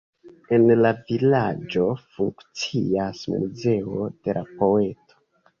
En la vilaĝo funkcias muzeo de la poeto.